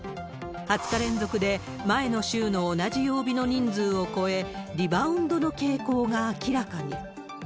２０日連続で前の週の同じ曜日の人数を超え、リバウンドの傾向が明らかに。